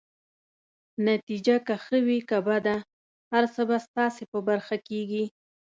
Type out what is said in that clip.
نتیجه که يې ښه وي که بده، هر څه به ستاسي په برخه کيږي.